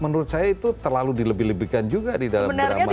menurut saya itu terlalu dilebih lebihkan juga di dalam drama itu